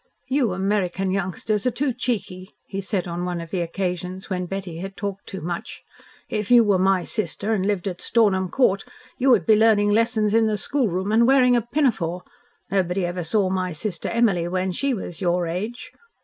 "You American youngsters are too cheeky," he said on one of the occasions when Betty had talked too much. "If you were my sister and lived at Stornham Court, you would be learning lessons in the schoolroom and wearing a pinafore. Nobody ever saw my sister Emily when she was your age."